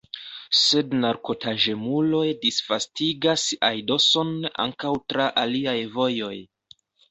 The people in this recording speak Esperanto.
Sed narkotaĵemuloj disvastigas aidoson ankaŭ tra aliaj vojoj.